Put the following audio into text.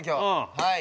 はい。